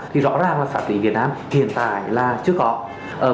thì rõ ràng là pháp lý việt nam hiện tại là chưa có